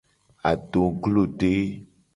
Adoglode.